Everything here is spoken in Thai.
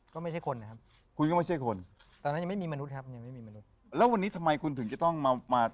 ก็ไม่ใช่คนนะครับคุณก็ไม่ใช่คนตอนนั้นยังไม่มีมนุษย์ครับยังไม่มีมนุษย์แล้ววันนี้ทำไมคุณถึงจะต้องมามา